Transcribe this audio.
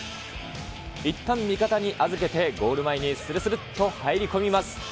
いったん、味方に預けて、ゴール前にするするっと入り込みます。